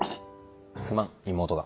すまん妹が。